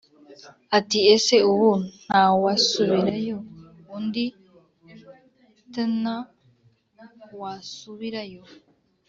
ati ese ubu ntawasubirayo undi tna wasubirayo.